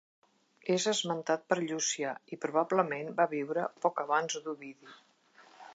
És esmentat per Llucià i probablement va viure poc abans d'Ovidi.